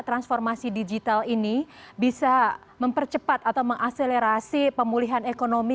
transformasi digital ini bisa mempercepat atau mengakselerasi pemulihan ekonomi